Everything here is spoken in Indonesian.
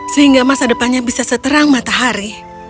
sehingga masa depannya bisa seterang matahari